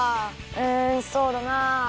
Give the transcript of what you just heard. うんそうだな。